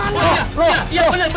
nih di situ